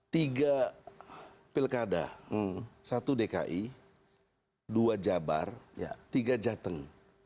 tiga pilkada satu dki dua jabar tiga jateng